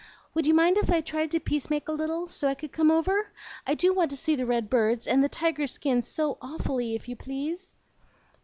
Would you mind if I tried to peace make a little, so I could come over? I do want to see the red birds and the tiger skin awfully, if you please."